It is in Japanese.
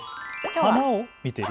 花を見ている？